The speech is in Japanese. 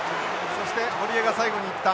そして堀江が最後に行った。